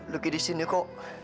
luki di sini kok